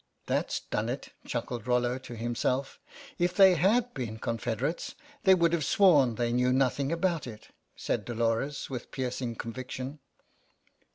"That's done it," chuckled Rollo to himself. " If they had been confederates they would have sworn they knew nothing about it," said Dolores, with piercing conviction.